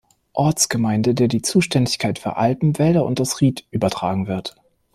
Ortsgemeinde, der die Zuständigkeit für Alpen, Wälder und das Riet übertragen wird.